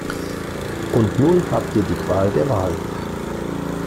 Und nun habt ihr die Qual der Wahl.